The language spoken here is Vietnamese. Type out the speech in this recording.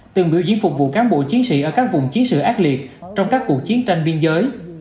từng biểu diễn phục vụ cán bộ chiến sĩ ở các vùng chiến sự ác liệt trong các cuộc chiến tranh biên giới